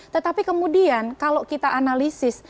tetapi kemudian kalau kita analisis